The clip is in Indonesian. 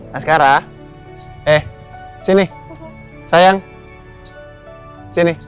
mas kara eh sini sayang sini